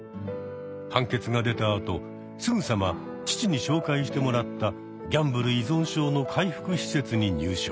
判決が出たあとすぐさま父に紹介してもらったギャンブル依存症の回復施設に入所。